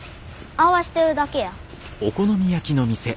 合わしてるだけや。